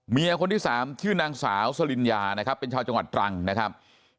เมียคนที่สามชื่อนางสาวสลินยานะครับเป็นชาวจังหวัดตรังนะครับ